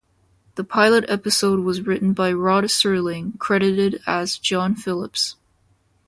The pilot episode was written by Rod Serling, credited as John Phillips.